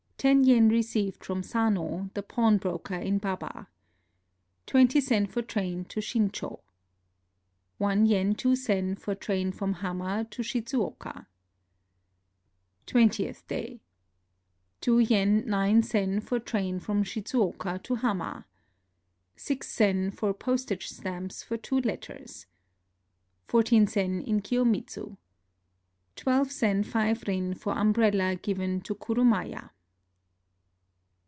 10 yen received from Sano, the pawnbroker in Baba. 20 sen for train to Shincho. 1 yen 2 sen for train from Hama to Shidzuoka. Twentieth day. 2 yen 9 sen for train from Shidzuoka to Hama. 6 sen for postage stamps for two letters. 14 sen in Kiyomidzu. 12 sen 5 rin for umbrella given to kurumaya.